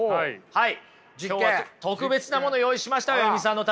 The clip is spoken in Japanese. はい。